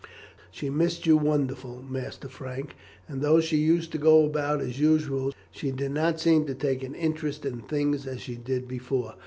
"She missed you wonderful, Master Frank, and though she used to go about as usual, she did not seem to take an interest in things as she did before.